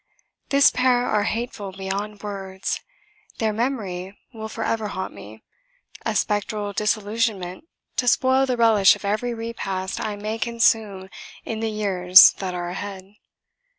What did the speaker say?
This pair are hateful beyond words. Their memory will for ever haunt me, a spectral disillusionment to spoil the relish of every repast I may consume in the years that are ahead.